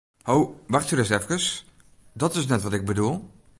Ho, wachtsje ris efkes, dat is net wat ik bedoel!